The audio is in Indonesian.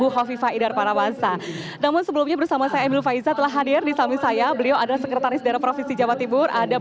keputusan gubernur jawa timur